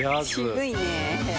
渋いね。